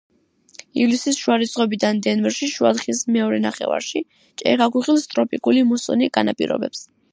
ივლისის შუა რიცხვებიდან დენვერში შუადღის მეორე ნახევარში ჭექა-ქუხილს ტროპიკული მუსონი განაპირობეს.